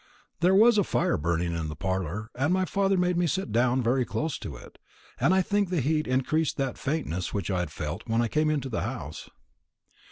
There was a fire burning in the parlour, and my father made me sit down very close to it, and I think the heat increased that faintness which I had felt when I came into the house.